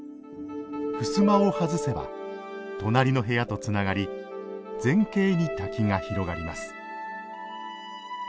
襖を外せば隣の部屋とつながり全景に滝が広がります。